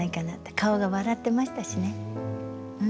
顔が笑ってましたしね。